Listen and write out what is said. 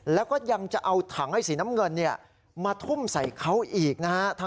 แล้วก็ยังจะเอาถังไอสีน้ำเงินมาทุ่มใส่เขาอีกนะฮะ